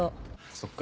そっか。